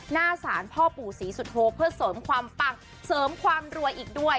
หน้าศาลพ่อปู่ศรีสุโธเพื่อเสริมความปังเสริมความรวยอีกด้วย